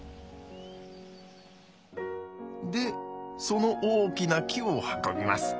でその大きな木を運びます。